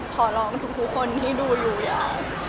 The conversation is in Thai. ขอร้องทุกคนที่ดูอยู่อย่าง